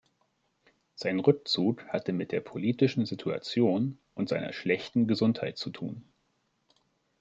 Sein Rückzug hatte mit der politischen Situation und seiner schlechten Gesundheit zu tun.